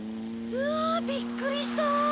うわびっくりした。